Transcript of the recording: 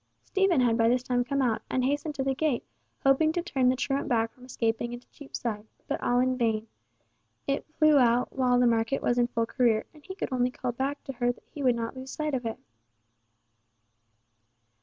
Stephen had by this time come out, and hastened to the gate, hoping to turn the truant back from escaping into Cheapside; but all in vain, it flew out while the market was in full career, and he could only call back to her that he would not lose sight of it.